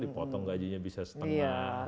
dipotong gajinya bisa setengah